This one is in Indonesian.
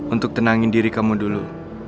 untuk tenangin diri kamu dulu